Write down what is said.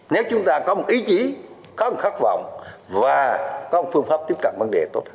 nếu chúng ta có một ý chí có một khát vọng và có một phương pháp tiếp cận vấn đề tốt